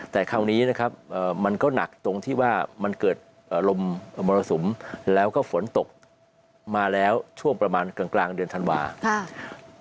แต่คราวนี้นะครับมันก็หนักตรงที่ว่ามันเกิดลมมรสุมแล้วก็ฝนตกมาแล้วช่วงประมาณกลางเดือนธันวาคม